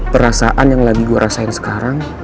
perasaan yang lagi gue rasain sekarang